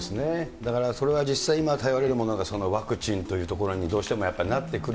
だからそれは実際今、頼れるものがワクチンというところにどうしてもやっぱなってくる。